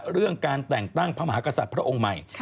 เรื่องการแต่งตั้งพระมหากษัตริย์พระองค์ใหม่